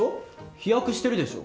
飛躍してるでしょ。